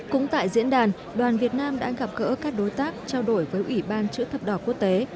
cũng tại diễn đàn đoàn việt nam đã gặp gỡ các đối tác trao đổi với ủy ban chữ thập đỏ quốc tế